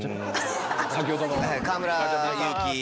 先ほどの？